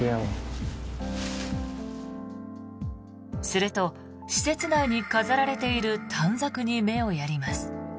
すると、施設内に飾られている短冊に目をやります。